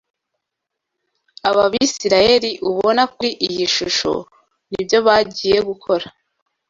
Aba Bisirayeli ubona kuri iyi shusho, ni byo bagiye gukora